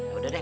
ya udah deh